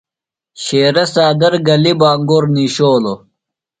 شیرہ څادر گلیۡ بہ انگور نِیشولوۡ۔